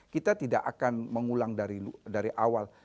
kita tidak akan mengulang dari awal